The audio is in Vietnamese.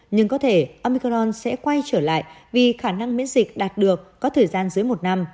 nhưng có thể amicron sẽ quay trở lại vì khả năng miễn dịch đạt được có thời gian dưới một năm